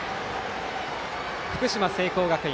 福島・聖光学院